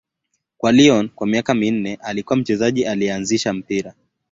Kwa Lyon kwa miaka minne, alikuwa mchezaji aliyeanzisha mpira.